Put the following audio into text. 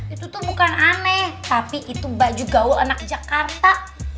itu tuh bukan aneh tapi itu baju gaul anak jakarta